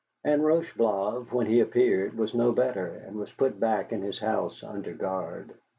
And Rocheblave, when he appeared, was no better, and was put back in his house under guard.